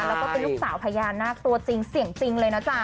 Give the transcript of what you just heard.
แล้วก็เป็นลูกสาวพญานาคตัวจริงเสียงจริงเลยนะจ๊ะ